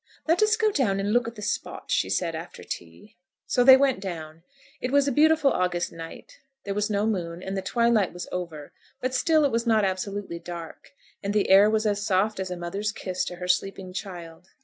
"Let us go down and look at the spot," she said, after tea. So they went down. It was a beautiful August night. There was no moon, and the twilight was over; but still it was not absolutely dark; and the air was as soft as a mother's kiss to her sleeping child.